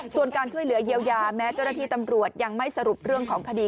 ส่วนการช่วยเหลือเยียวยาแม้เจ้าหน้าที่ตำรวจยังไม่สรุปเรื่องของคดี